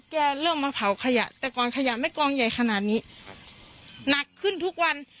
เริ่มมาเผาขยะแต่ก่อนขยะไม่กองใหญ่ขนาดนี้หนักขึ้นทุกวัน